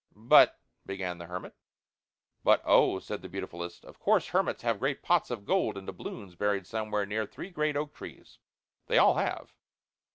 "But " began the hermit. "But, oh," said the beautifulest, "of course hermits have great pots of gold and doubloons buried somewhere near three great oak trees. They all have."